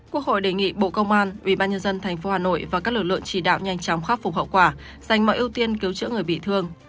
quốc hội đề nghị bộ công an ủy ban nhân dân thành phố hà nội và các lực lượng chỉ đạo nhanh chóng khắc phục hậu quả dành mọi ưu tiên cứu chữa người bị thương